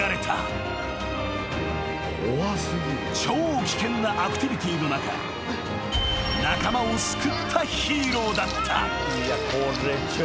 ［超危険なアクティビティーの中仲間を救ったヒーローだった］